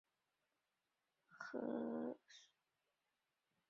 城堡位于卢瓦尔河右岸。